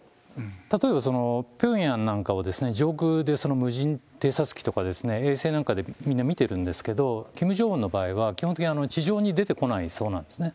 例えばピョンヤンなんかを上空で無人偵察機とか衛星なんかでみんな見てるんですけど、キム・ジョンウンの場合は、基本的に地上に出てこないそうなんですよね。